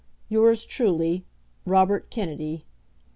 Yours truly, ROBERT KENNEDY.